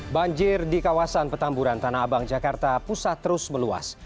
banjir di kawasan petamburan tanah abang jakarta pusat terus meluas